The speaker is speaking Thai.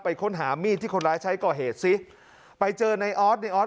ค้นหามีดที่คนร้ายใช้ก่อเหตุซิไปเจอในออสในออส